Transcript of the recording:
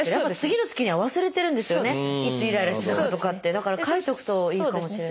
だから書いておくといいかもしれない。